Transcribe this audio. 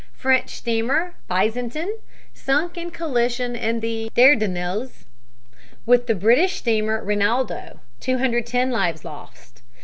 French steamer Byzantin sunk in collision in the Dardanelles with the British steamer Rinaldo; 210 lives lost.